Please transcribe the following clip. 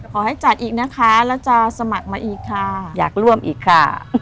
ขอให้จัดอีกนะคะแล้วจะสมัครมาอีกค่ะอยากร่วมอีกค่ะ